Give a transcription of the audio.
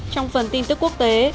trong phần tin tức quốc tế